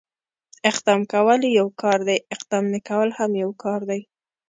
اقدام کول يو کار دی، اقدام نه کول هم يو کار دی.